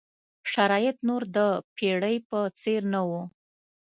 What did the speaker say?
شرایط نور د پېړۍ په څېر نه وو.